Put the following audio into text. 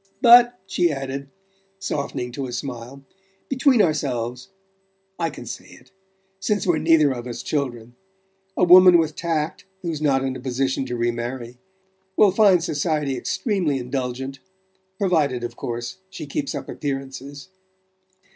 "But," she added, softening to a smile, "between ourselves I can say it, since we're neither of us children a woman with tact, who's not in a position to remarry, will find society extremely indulgent... provided, of course, she keeps up appearances..."